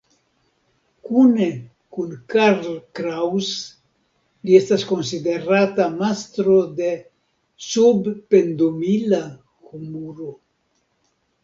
Kune kun Karl Kraus, li estas konsiderata mastro de "sub-pendumila humuro".